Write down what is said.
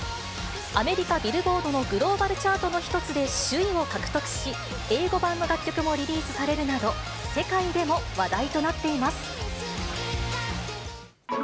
アメリカ・ビルボードのグローバルチャートの一つで首位を獲得し、英語版の楽曲もリリースされるなど、世界でも話題となっています。